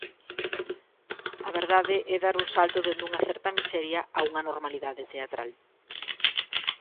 A verdade, é dar un salto dende unha certa miseria a unha normalidade teatral.